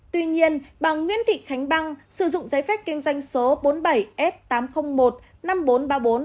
tuy nhiên bà nguyễn thị khánh băng sử dụng giấy phép kinh doanh số bốn mươi bảy f tám trăm linh một năm nghìn bốn trăm ba mươi bốn